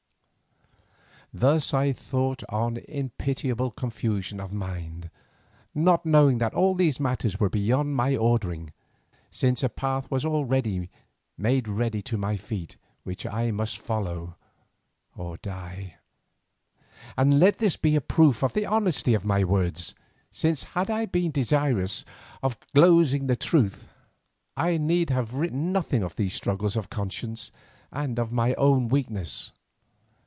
Thus I thought on in pitiable confusion of mind, not knowing that all these matters were beyond my ordering, since a path was already made ready to my feet, which I must follow or die. And let this be a proof of the honesty of my words, since, had I been desirous of glozing the truth, I need have written nothing of these struggles of conscience, and of my own weakness.